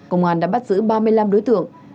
công an đã bắt giữ ba mươi năm đối tượng